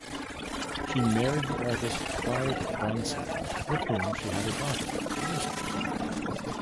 She married the artist Clive Branson, with whom she had a daughter, Rosa.